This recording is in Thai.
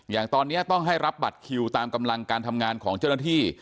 อย่างตอนนี้ต้องให้รับบัตรคิวตามกำลังการทำงานของเจ้าหน้าที่